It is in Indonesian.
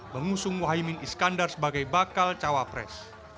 mengusung muhaymin iskandar sebagai bakal cawapres